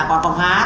không không hát